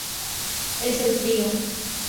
Es el frío!